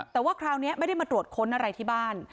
แต่ว่าคราวนี้ไม่ได้มาตรวจค้นอะไรที่บ้าน